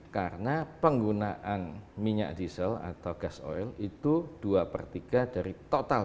karena penggunaan minyak diesel atau gas oil itu dua per tiga dari total